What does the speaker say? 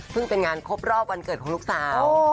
เป็นงานครบรอบวันเกิดของลูกสาว